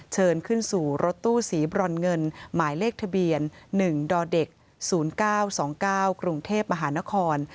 เชิญขึ้นสู่รถตู้สีบรอนเงินหมายเลขทะเบียน๑ดเด็ก๐๙๒๙กรุงเทพมหานคร